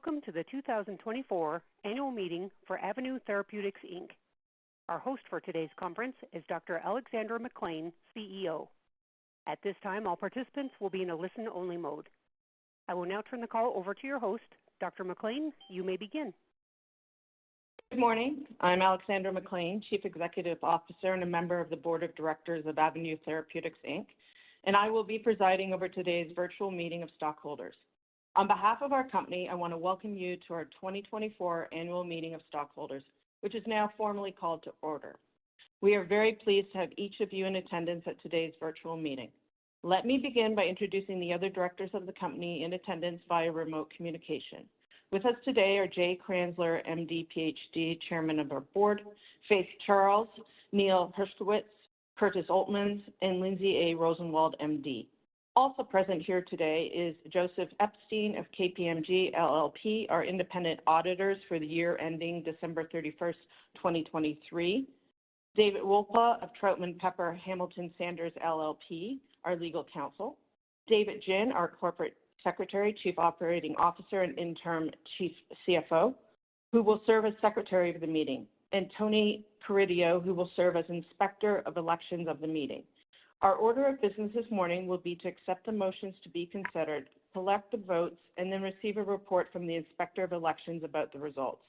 Welcome to the 2024 Annual Meeting for Avenue Therapeutics, Inc. Our host for today's conference is Dr. Alexandra MacLean, CEO. At this time, all participants will be in a listen-only mode. I will now turn the call over to your host, Dr. MacLean. You may begin. Good morning. I'm Alexandra MacLean, Chief Executive Officer and a member of the Board of Directors of Avenue Therapeutics, Inc., and I will be presiding over today's virtual meeting of stockholders. On behalf of our company, I want to welcome you to our 2024 Annual Meeting of Stockholders, which is now formally called to order. We are very pleased to have each of you in attendance at today's virtual meeting. Let me begin by introducing the other directors of the company in attendance via remote communication. With us today are Jay Kranzler, MD, PhD, Chairman of our Board; Faith Charles; Neil Herskowitz; Curtis Oltmans; and Lindsay A. Rosenwald, MD. Also present here today is Joseph Epstein of KPMG LLP, our independent auditors for the year ending December 31st, 2023. David Wolpa of Troutman Pepper Hamilton Sanders LLP, our legal counsel. David Jin, our Corporate Secretary, Chief Operating Officer, and Interim Chief CFO, who will serve as Secretary of the Meeting. And Tony Carideo, who will serve as Inspector of Elections of the Meeting. Our order of business this morning will be to accept the motions to be considered, collect the votes, and then receive a report from the Inspector of Elections about the results.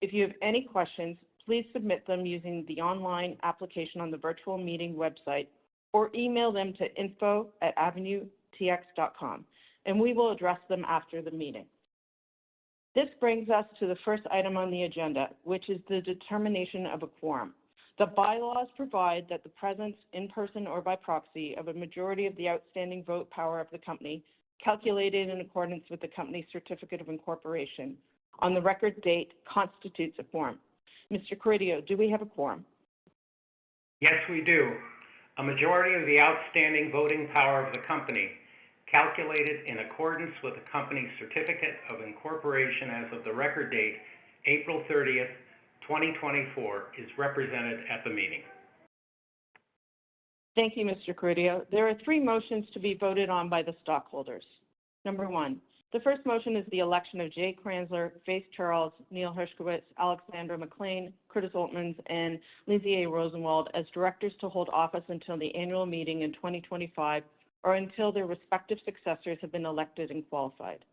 If you have any questions, please submit them using the online application on the virtual meeting website or email them to info@avenuetx.com, and we will address them after the meeting. This brings us to the first item on the agenda, which is the determination of a quorum. The bylaws provide that the presence, in person or by proxy, of a majority of the outstanding vote power of the company, calculated in accordance with the company's certificate of incorporation on the record date, constitutes a quorum. Mr. Carideo, do we have a quorum? Yes, we do. A majority of the outstanding voting power of the company, calculated in accordance with the company's Certificate of Incorporation as of the Record date, April 30th, 2024, is represented at the meeting. Thank you, Mr. Carideo. There are three motions to be voted on by the stockholders. Number one, the first motion is the election of Jay Kranzler, Faith Charles, Neil Herskowitz, Alexandra MacLean, Curtis Oltmans, and Lindsay A. Rosenwald as directors to hold office until the annual meeting in 2025 or until their respective successors have been elected and qualified.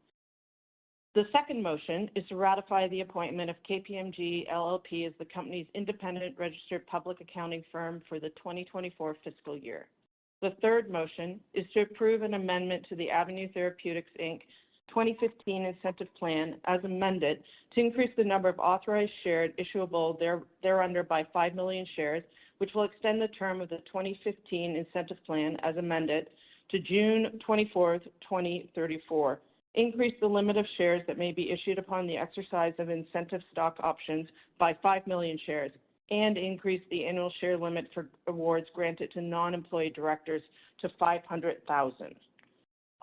The second motion is to ratify the appointment of KPMG LLP as the company's independent registered public accounting firm for the 2024 fiscal year. The third motion is to approve an amendment to the Avenue Therapeutics, Inc., 2015 Incentive Plan as amended to increase the number of authorized shares issuable thereunder by 5 million shares, which will extend the term of the 2015 Incentive Plan as amended to June 24th, 2034, increase the limit of shares that may be issued upon the exercise of incentive stock options by 5 million shares, and increase the annual share limit for awards granted to non-employee directors to 500,000.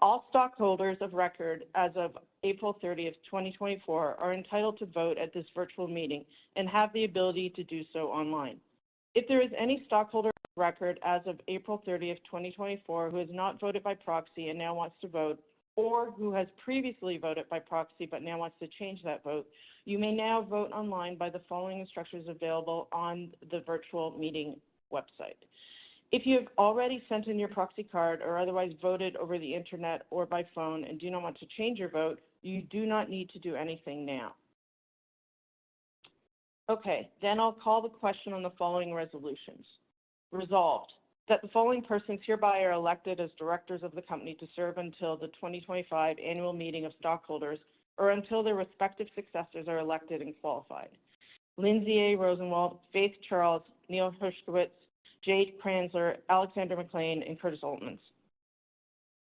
All stockholders of record as of April 30th, 2024, are entitled to vote at this virtual meeting and have the ability to do so online. If there is any stockholder of record as of April 30th, 2024, who has not voted by proxy and now wants to vote, or who has previously voted by proxy but now wants to change that vote, you may now vote online by the following instructions available on the virtual meeting website. If you have already sent in your proxy card or otherwise voted over the internet or by phone and do not want to change your vote, you do not need to do anything now. Okay. Then I'll call the question on the following resolutions. Resolved that the following persons hereby are elected as directors of the company to serve until the 2025 Annual Meeting of Stockholders or until their respective successors are elected and qualified: Lindsay A. Rosenwald, Faith Charles, Neil Herskowitz, Jay Kranzler, Alexandra MacLean, and Curtis Oltmans.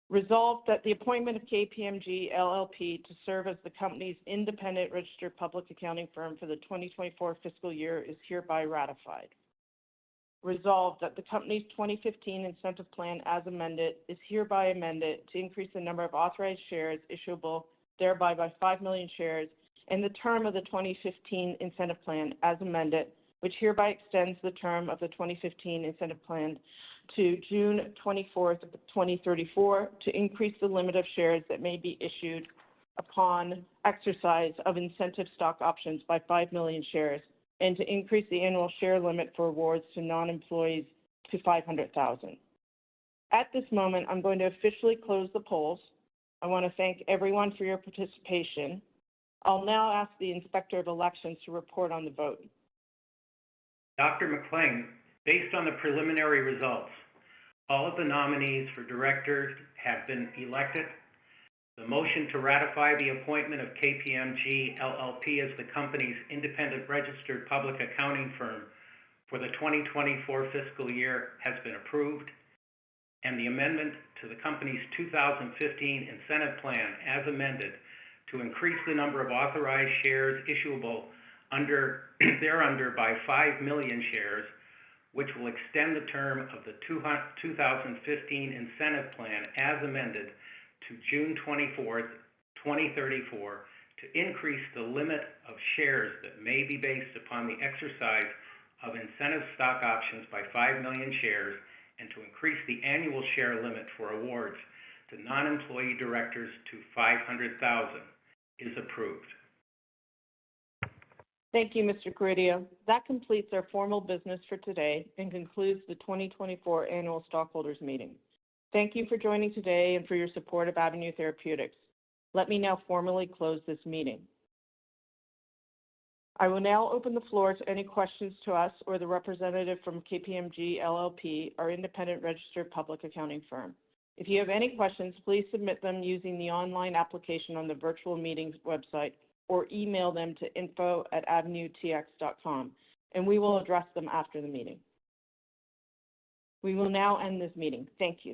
Resolved that the appointment of KPMG LLP to serve as the company's independent registered public accounting firm for the 2024 fiscal year is hereby ratified. Resolved that the company's 2015 Incentive Plan as amended is hereby amended to increase the number of authorized shares issuable thereby by 5 million shares in the term of the 2015 Incentive Plan as amended, which hereby extends the term of the 2015 Incentive Plan to June 24th, 2034, to increase the limit of shares that may be issued upon exercise of incentive stock options by 5 million shares and to increase the annual share limit for awards to non-employees to 500,000. At this moment, I'm going to officially close the polls. I want to thank everyone for your participation. I'll now ask the Inspector of Elections to report on the vote. Dr. MacLean, based on the preliminary results, all of the nominees for directors have been elected. The motion to ratify the appointment of KPMG LLP as the company's independent registered public accounting firm for the 2024 fiscal year has been approved, and the amendment to the company's 2015 Incentive Plan as amended to increase the number of authorized shares issuable thereunder by 5 million shares, which will extend the term of the 2015 Incentive Plan as amended to June 24th, 2034, to increase the limit of shares that may be based upon the exercise of incentive stock options by 5 million shares and to increase the annual share limit for awards to non-employee directors to 500,000 is approved. Thank you, Mr. Carideo. That completes our formal business for today and concludes the 2024 Annual Stockholders' Meeting. Thank you for joining today and for your support of Avenue Therapeutics. Let me now formally close this meeting. I will now open the floor to any questions to us or the representative from KPMG LLP, our independent registered public accounting firm. If you have any questions, please submit them using the online application on the virtual meeting's website or email them to info@avenuetx.com, and we will address them after the meeting. We will now end this meeting. Thank you.